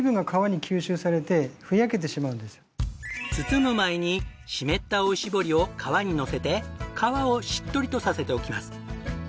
包む前に湿ったおしぼりを皮にのせて皮をしっとりとさせておきます。